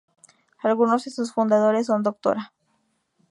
Algunos de sus fundadores son Dra.